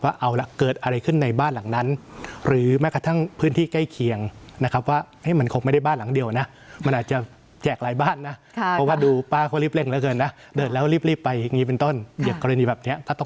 ว่าเอาล่ะเกิดอะไรขึ้นในบ้านหลังนั้นหรือแม้กระทั่งพื้นที่ใกล้เคียงนะครับ